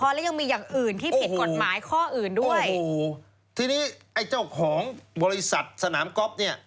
และยังมีอย่างอื่นที่ผิดกฎหมายข้ออื่นด้วยโอ้โหทีนี้ไอ้เจ้าของบริษัทสนามก๊อฟเนี่ย